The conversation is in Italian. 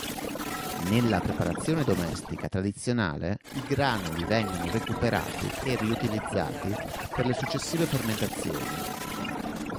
Nella preparazione domestica tradizionale i granuli vengono recuperati e riutilizzati per le successive fermentazioni.